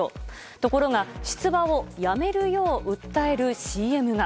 ところが、出馬をやめるよう訴えるＣＭが。